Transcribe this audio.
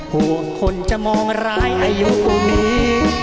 ห่วงคนจะมองร้ายอายุกว่านี้